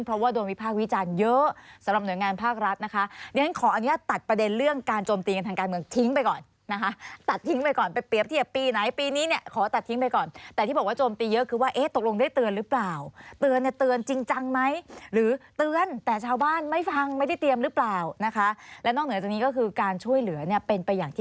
เพราะว่าโดนมีภาคริ